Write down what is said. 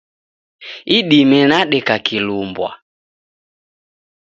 Idime nadeka kilumbwa.